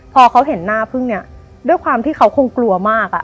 พอเขาเห็นหน้าพึ่งเนี่ยด้วยความที่เขาคงกลัวมากอ่ะ